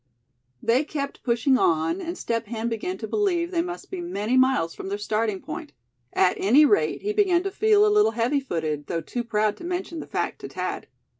They kept pushing on; and Step Hen began to believe they must be many miles from their starting point; at any rate he began to feel a little heavy footed, though too proud to mention the fact to Thad.